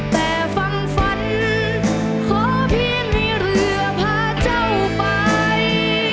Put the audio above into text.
แต่ฟังฝันขอเพียงให้เรือพาเจ้าไป